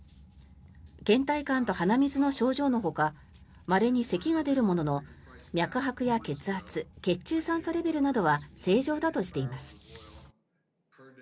けん怠感と鼻水の症状のほかまれにせきが出るものの脈拍や血圧血中酸素レベルなどは正常だとしています。